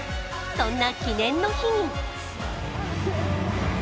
そんな記念の日に。